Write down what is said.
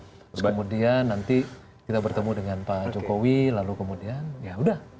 terus kemudian nanti kita bertemu dengan pak jokowi lalu kemudian ya udah